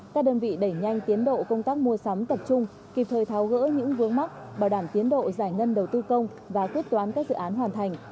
các đơn vị đẩy nhanh tiến độ công tác mua sắm tập trung kịp thời tháo gỡ những vướng mắc bảo đảm tiến độ giải ngân đầu tư công và quyết toán các dự án hoàn thành